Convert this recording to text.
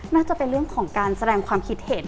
น่าจะเป็นเรื่องของการแสดงความคิดเห็น